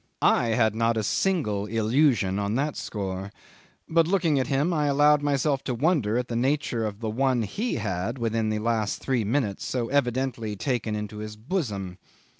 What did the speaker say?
I had not a single illusion on that score, but looking at him, I allowed myself to wonder at the nature of the one he had, within the last three minutes, so evidently taken into his bosom.